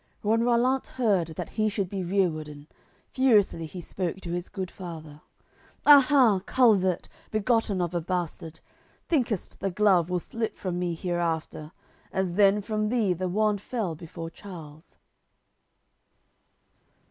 AOI. LX When Rollant heard that he should be rerewarden Furiously he spoke to his good father: "Aha! culvert; begotten of a bastard. Thinkest the glove will slip from me hereafter, As then from thee the wand fell before Charles?"